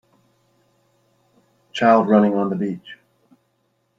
Child running on the beach